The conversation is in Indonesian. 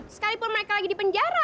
sekalipun mereka lagi di penjara